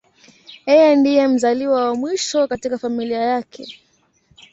Yeye ndiye mzaliwa wa mwisho katika familia yake.